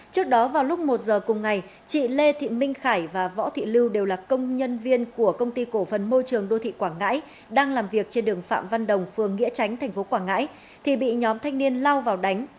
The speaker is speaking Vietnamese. trước đó vào lúc một giờ cùng ngày chị lê thị minh khải và võ thị lưu đều là công nhân viên của công ty cổ phần môi trường đô thị quảng ngãi đang làm việc trên đường phạm văn đồng phường nghĩa chánh tp quảng ngãi thì bị nhóm thanh niên lao vào đánh